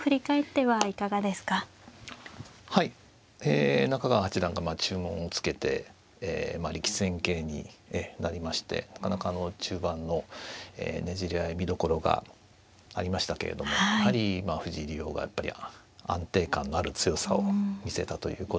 はいえ中川八段が注文をつけて力戦形になりましてなかなか中盤のねじり合い見どころがありましたけれどもやはり藤井竜王がやっぱり安定感のある強さを見せたということですね。